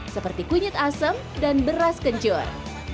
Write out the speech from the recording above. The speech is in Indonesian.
seperti kunyit asem dan beras kencur